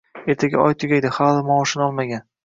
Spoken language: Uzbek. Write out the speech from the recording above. Ertaga oy tugaydi, hali maoshini olmagan